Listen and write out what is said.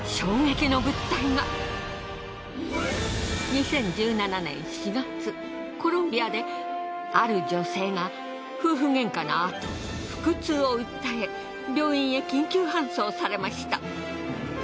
２０１７年４月コロンビアである女性が夫婦喧嘩の後腹痛を訴え病院へ緊急搬送されました。